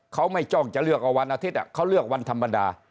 เขาไม่จ้องจะเลือกเอาวันอาทิตย์เขาเลือกวันธรรมดา